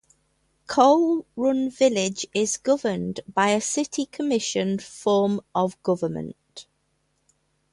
Coal Run Village is governed by a city commission form of government.